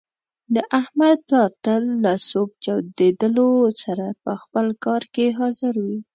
د احمد پلار تل له صبح چودېدلو سره په خپل کار کې حاضر وي.